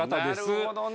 なるほどね。